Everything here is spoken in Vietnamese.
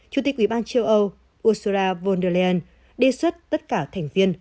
chủ tịch ủy ban châu âu ursura von der leyen đề xuất tất cả thành viên